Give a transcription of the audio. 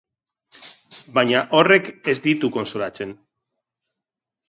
Baina horrek ez ditu kontsolatzen.